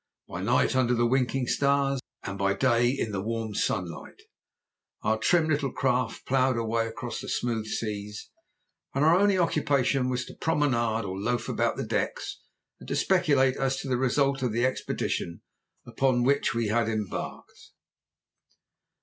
By night under the winking stars, and by day in the warm sunlight, our trim little craft ploughed her way across smooth seas, and our only occupation was to promenade or loaf about the decks and to speculate as to the result of the expedition upon which we had embarked.